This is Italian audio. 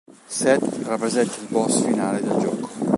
Seth rappresenta il boss finale del gioco.